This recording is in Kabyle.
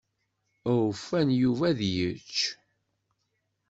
Awufan Yuba ad yečč.